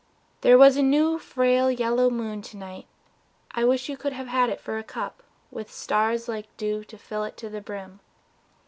... There was a new frail yellow moon to night I wish you could have had it for a cup With stars like dew to fill it to the brim.